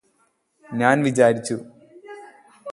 ഞാന് വിചാരിച്ചു